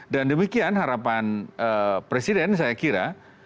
dan demikian harapan presiden saya kira